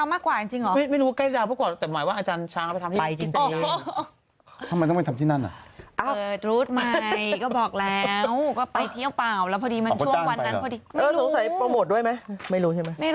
อื้ออื้ออื้ออื้ออื้ออื้ออื้ออื้ออื้ออื้ออื้อ